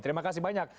terima kasih banyak